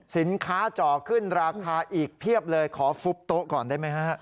จ่อขึ้นราคาอีกเพียบเลยขอฟุบโต๊ะก่อนได้ไหมฮะ